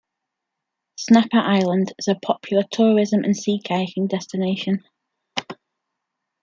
Snapper Island is a popular tourism and sea kayaking destination.